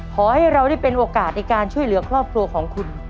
ขอให้เราได้เป็นโอกาสในการช่วยเหลือครอบครัวของคุณ